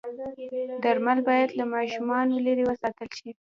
درمل باید له ماشومانو لرې وساتل شي.